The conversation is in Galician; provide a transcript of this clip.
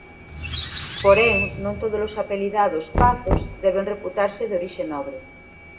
Porén non todos os apelidados Pazos deben reputarse de orixe nobre.